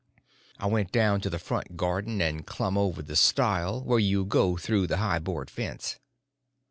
I went down to the front garden and clumb over the stile where you go through the high board fence.